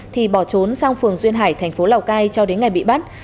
thì bỏ trốn sang phường duyên hải thành phố lào cai cho đến ngày bị bắt